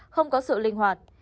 không có sự linh hoạt